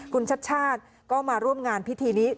คุณชัดชาติก็มาร่วมงานพิธีนี้